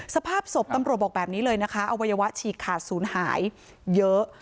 สภาพศพตำรวจบอกแบบนี้เลยนะคะอวัยวะฉีกขาดศูนย์หายเยอะ